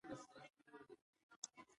احمده! ته ځه؛ زما کار په ډينګ ډينګو شو.